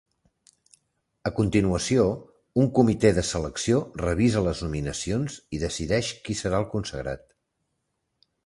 A continuació, un comitè de selecció revisa les nominacions i decideix qui serà consagrat.